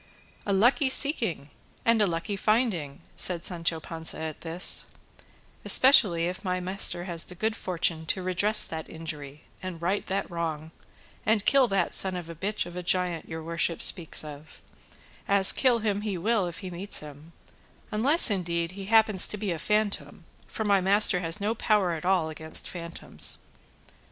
"A lucky seeking and a lucky finding!" said Sancho Panza at this; "especially if my master has the good fortune to redress that injury, and right that wrong, and kill that son of a bitch of a giant your worship speaks of; as kill him he will if he meets him, unless, indeed, he happens to be a phantom; for my master has no power at all against phantoms.